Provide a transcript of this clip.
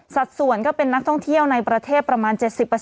สัดส่วนก็เป็นนักท่องเที่ยวในประเทศประมาณ๗๐